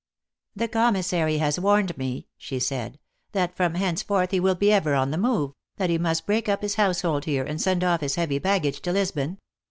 " The commissary has warned me," she said " that from henceforth he will be ever on the move that he must break up his household here, and send off his heavy baggage to Lisbon.